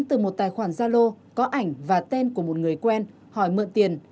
từ một tài khoản zalo có ảnh và tên của một người quen hỏi mượn tiền